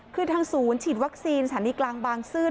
คือทางศูนย์ฉีดวัคซีนสถานีกลางบางซื่อ